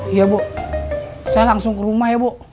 iya bu saya langsung ke rumah ya bu